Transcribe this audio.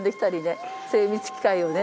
精密機械をね